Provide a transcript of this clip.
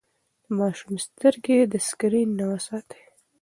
د ماشوم سترګې د سکرين نه وساتئ.